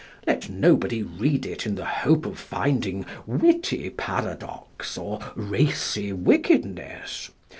Let nobody read it in the hope of finding witty paradox or racy wickedness.